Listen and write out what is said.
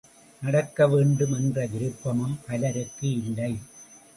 நடக்க வேண்டும் என்ற விருப்பமும் பலருக்கு இல்லை!